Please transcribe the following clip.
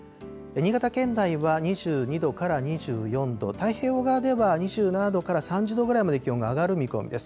新潟県内は２２度から２４度、太平洋側では２７度から３０度ぐらいまで気温が上がる見込みです。